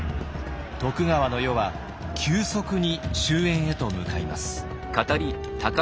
徳川の世は急速に終焉へと向かいます。